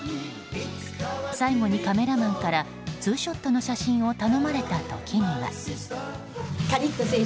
最後にカメラマンからツーショットの写真を頼まれた時には。